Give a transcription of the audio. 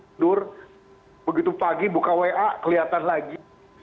tunggu tunggu begitu pagi buka wa kelihatan lagi